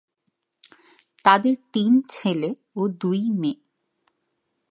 তাদের তিন ছেলে ও দুই মেয়ে।